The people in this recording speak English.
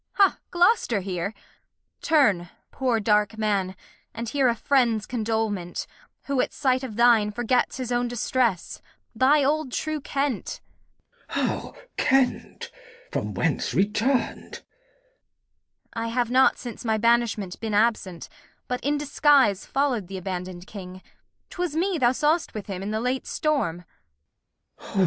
Ha, Gloster here! Turn, poor dark Man, and hear A Friend's Condolement, who at Sight of thine Forgets his own Distress, thy old true Kent. Glost. How, Kent ? From whence return' d ? Kent. I have not since my Banishment been absent, But in Disguise follow' d th' abandon' d King : 'Twas me thou saw'st with him in the late Storm.